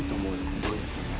すごいですよね。